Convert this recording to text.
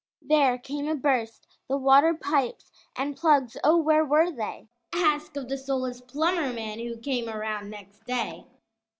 There came a burst, the water pipes And plugs, oh, where were they? Ask of the soulless plumber man Who called around next day.